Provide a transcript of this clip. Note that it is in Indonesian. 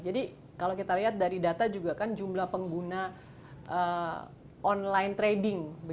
jadi kalau kita lihat dari data juga kan jumlah pengguna online trading